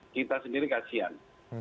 kita sendiri kasian